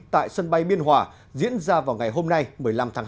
tại sân bay biên hòa diễn ra vào ngày hôm nay một mươi năm tháng hai